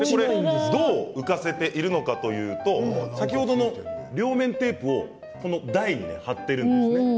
どう浮かせているかというと先ほどの両面テープをこの台に貼っているんです。